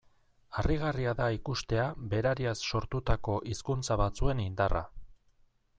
Harrigarria da ikustea berariaz sortutako hizkuntza batzuen indarra.